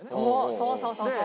そうそうそうそう！